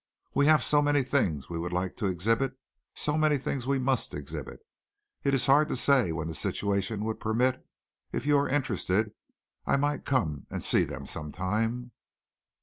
We have so many things we would like to exhibit so many things we must exhibit. It is hard to say when the situation would permit If you are interested I might come and see them sometime."